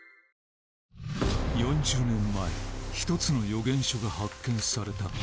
４０年前一つの予言書が発見された